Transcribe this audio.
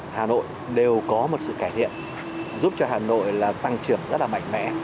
hà nội đều có một sự cải thiện giúp cho hà nội tăng trưởng rất là mạnh mẽ